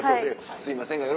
すいません。